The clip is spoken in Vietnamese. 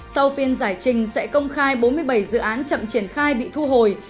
sau phiên giải trình sẽ công khai bốn mươi bảy dự án chậm triển khai bị thu hồi